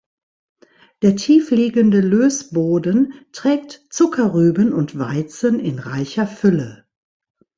Der tief liegende Lößboden trägt Zuckerrüben und Weizen in reicher Fülle.